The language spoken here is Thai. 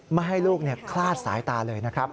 ไม่ให้ลูกคลาดสายตาเลยนะครับ